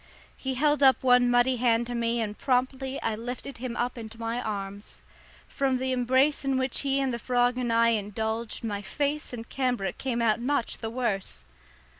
He held up one muddy hand to me, and promptly I lifted him up into my arms. From the embrace in which he and the frog and I indulged my lace and cambric came out much the worse.